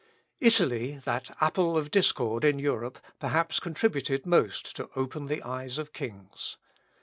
Italy, that apple of discord in Europe, perhaps contributed most to open the eyes of kings.